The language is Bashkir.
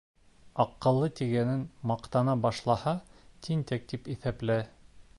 Аҡыллы тигәнең маҡтана башлаһа, тинтәк тип иҫәплә.